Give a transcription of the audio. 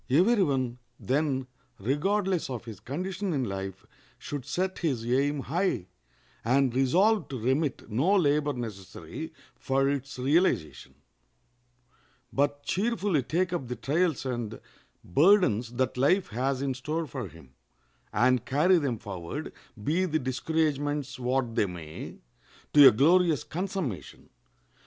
Every one, then, regardless of his condition in life, should set his aim high, and resolve to remit no labor necessary for its realization, but cheerfully take up the trials and burdens that life has in store for him, and carry them forward, be the discouragements what they may, to a glorious consummation.